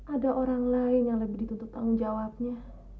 ada orang lain yang lebih dituntut tanggung jawabnya